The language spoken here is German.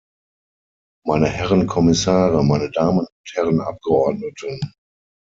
Meine Herren Kommissare, meine Damen und Herren Abgeordneten!